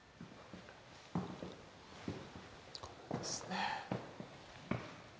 これですね。